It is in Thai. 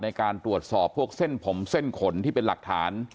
ในการตรวจสอบพวกเส้นผมเส้นขนที่เป็นหลักฐาน